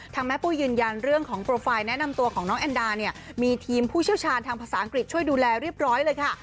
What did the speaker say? แม่ปุ้ยยืนยันเรื่องของโปรไฟล์แนะนำตัวของน้องแอนดาเนี่ยมีทีมผู้เชี่ยวชาญทางภาษาอังกฤษช่วยดูแลเรียบร้อยเลยค่ะ